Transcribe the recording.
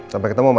sampai ketemu ma